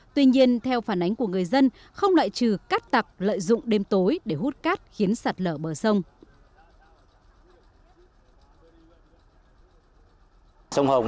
tuy nhiên theo phản ánh của người dân không loại trừ cát tặc lợi dụng đêm tối để hút cát khiến sạt lở bờ sông